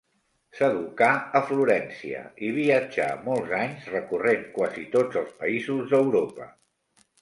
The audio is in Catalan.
S'educà a Florència i viatjà molts anys recorrent quasi tots els països d'Europa.